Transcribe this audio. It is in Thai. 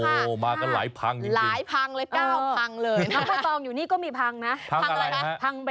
มีบางกันหลายพังจริงนะครับพังเลยนะครับพังอะไรครับ